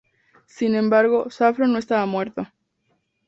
Sin embargo, Saffron no estaba muerto.